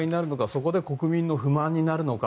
そこで国民の不満になるのか。